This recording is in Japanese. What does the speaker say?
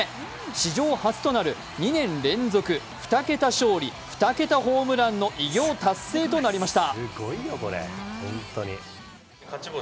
史上初となる２年連続２桁勝利２桁ホームランの偉業達成となりました。